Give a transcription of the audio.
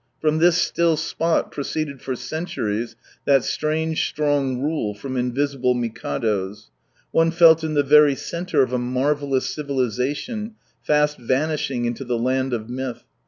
From this still spot proceeded for centuries that strange strong rule from invisible Mikados. One felt in the very centre of a marvellous civilization, fast vanishing into the land of myth.